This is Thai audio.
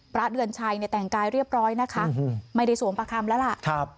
พระเดือนชัยเนี่ยแต่งกายเรียบร้อยนะคะไม่ได้สวมประคำแล้วล่ะ